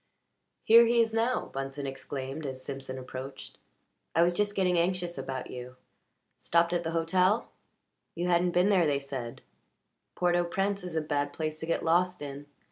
"Here he is now!" Bunsen exclaimed as Simpson approached. "I was just getting anxious about you. Stopped at the hotel you hadn't been there, they said. Port au Prince is a bad place to get lost in.